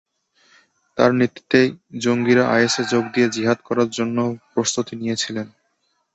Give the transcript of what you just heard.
তাঁর নেতৃত্বেই জঙ্গিরা আইএসে যোগ দিয়ে জিহাদ করার জন্য প্রস্তুতি নিয়েছিলেন।